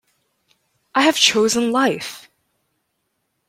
I have chosen life!